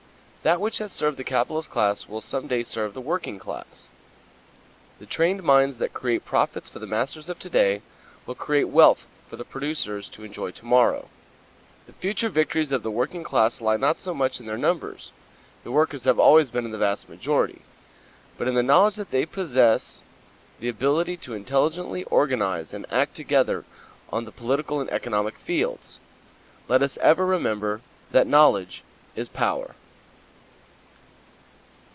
That which has served the capitalist class will some day serve the working class. The trained minds that create profits for the masters of to day will create wealth for the producers to enjoy to morrow. The future victories of the working class lie not so much in their numbers (the workers have always been in the vast majority), but in the knowledge they possess and the ability to intelligently organize and act together on the political and economic fields. Let us ever remember that knowledge is power!